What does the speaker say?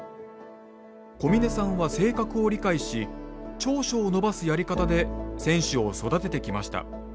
小嶺さんは性格を理解し長所を伸ばすやり方で選手を育ててきました。